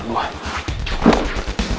hebat juga lo ya